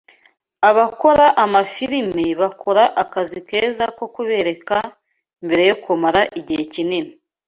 abakora amafilime bakora akazi keza ko kubereka mbere yo kumara igihe kinini